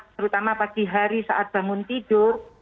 terutama pagi hari saat bangun tidur